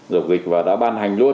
dục dịch và đã ban hành luôn